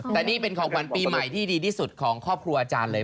แต่นี่เป็นของขวัญปีใหม่ที่ดีที่สุดของครอบครัวอาจารย์เลย